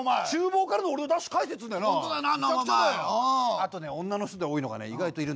あとね女の人で多いのがね意外といるんだよ